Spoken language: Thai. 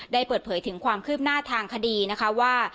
เปิดเผยถึงความคืบหน้าทางคดีนะคะว่า